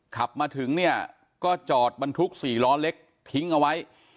ขับมาถึงเนี่ยก็จอดบรรทุก๔ล้อเล็กทิ้งเอาไว้